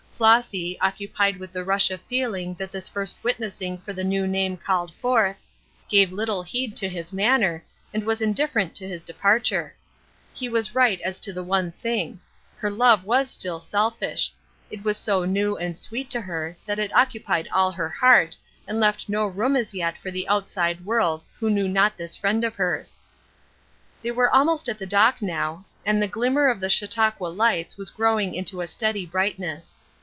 Flossy, occupied with the rush of feeling that this first witnessing for the new name called forth, gave little heed to his manner, and was indifferent to his departure. He was right as to one thing. Her love was still selfish: it was so new and sweet to her that it occupied all her heart, and left no room as yet for the outside world who knew not this friend of hers. They were almost at the dock now, and the glimmer of the Chautauqua lights was growing into a steady brightness.